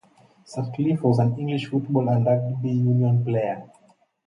Sutcliffe, was an English football and rugby union player.